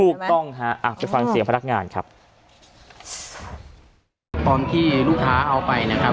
ถูกต้องฮะอ่ะไปฟังเสียงพนักงานครับตอนที่ลูกค้าเอาไปนะครับ